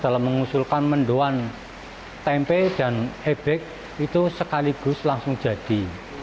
dalam mengusulkan mendoan tempe dan ebek itu sekaligus langsung jadi